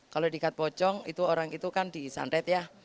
kalau dikat pocong orang itu kan disandet ya